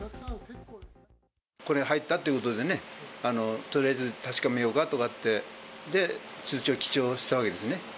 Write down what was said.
これ入ったっていうことでね、とりあえず確かめようかって、通帳記帳したわけですね。